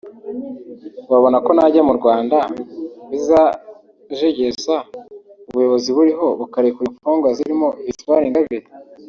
babona ko najya mu Rwanda bizajegeza ubuyobozi buriho bukarekura imfungwa zirimo Victoire Ingabire